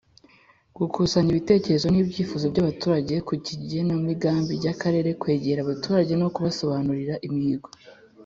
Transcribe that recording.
gukusanya ibitekerezo n ibyifuzo by abaturage ku igenamigambi ry Akarere kwegera abaturage no kubasobanurira imihigo